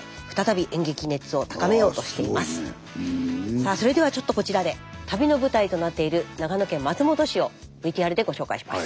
さあそれではちょっとこちらで旅の舞台となっている長野県松本市をＶＴＲでご紹介します。